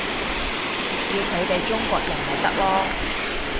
叫佢哋中國人咪得囉